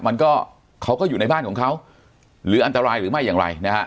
มันก็เขาก็อยู่ในบ้านของเขาหรืออันตรายหรือไม่อย่างไรนะฮะ